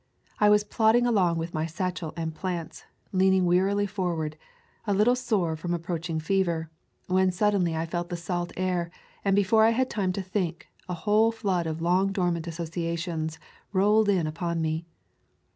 I was plodding along with my satchel and plants, leaning wearily forward, a little sore from ap proaching fever, when suddenly I felt the salt air, and before I had time to think, a whole flood of long dormant associations rolled in upon me.